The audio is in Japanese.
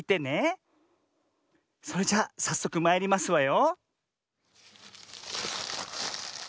それじゃさっそくまいりますわよ。